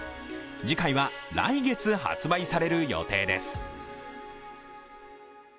次回は来月、発売される予定です。